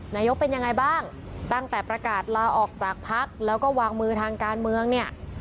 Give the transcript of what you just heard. นายกเป็นยังไงบ้างตั้งแต่ประกาศลาออกจากพักแล้วก็วางมือทางการเมืองเนี่ย